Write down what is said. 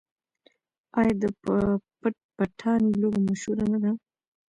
آیا د پټ پټانې لوبه مشهوره نه ده؟